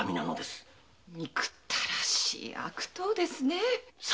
憎たらしい悪党ですね。